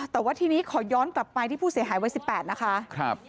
แต่ว่าทีนี้ขอย้อนกลับไปที่ผู้เสียหายวัย๑๘นะคะ